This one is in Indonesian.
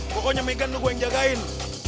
pokoknya megan lu yang gua jagain